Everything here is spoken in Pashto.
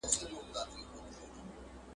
استاد ته د مسویدې پیلنۍ بڼه ژر وښایاست.